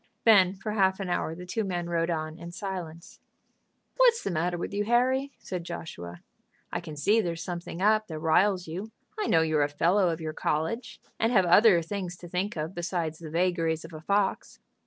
Then for half an hour the two men rode on in silence. "What's the matter with you Harry?" said Joshua. "I can see there's something up that riles you. I know you're a fellow of your college, and have other things to think of besides the vagaries of a fox."